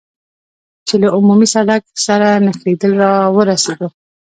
چې له عمومي سړک سره نښلېدل را ورسېدو.